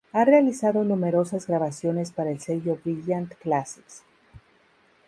Ha realizado numerosas grabaciones para el sello Brilliant Classics.